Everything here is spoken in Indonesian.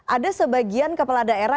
ada sebagian kepala daerah